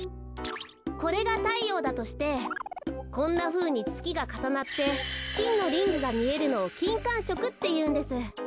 これがたいようだとしてこんなふうにつきがかさなってきんのリングがみえるのをきんかんしょくっていうんです。